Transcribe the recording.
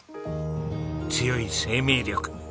強い生命力。